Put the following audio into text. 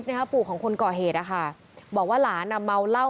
ไอ้ไอ้ไอ้ไอ้ไอ้ไอ้ไอ้ไอ้ไอ้